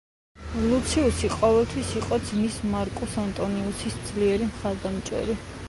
ლუციუსი ყოველთვის იყო ძმის, მარკუს ანტონიუსის ძლიერი მხარდამჭერი.